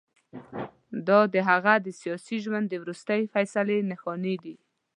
دا د هغه د سیاسي ژوند د وروستۍ فیصلې نښانې دي.